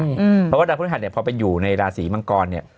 เพราะว่าดาวพฤหัสเนี่ยพอไปอยู่ในราศีมังกรเนี่ย